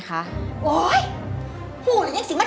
สามารถรับชมได้ทุกวัย